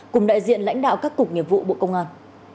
cùng đại diện lãnh đạo các cục nghiệp vụ bộ công an